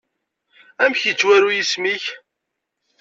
Amek yettwaru yisem-ik?